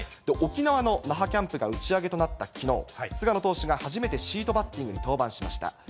沖縄の那覇キャンプが打ち上げとなったきのう、菅野投手が初めてシートバッティングに登板しました。